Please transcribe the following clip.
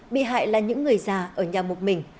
bị hại là những người già ở nhà một mình